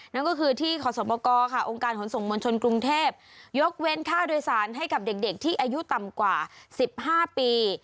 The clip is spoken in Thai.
นั่นก็คือที่ขอสมกรค่ะองค์การขนส่งมวลชนกรุงเทพยกเว้นค่าโดยสารให้กับเด็กที่อายุต่ำกว่า๑๕ปี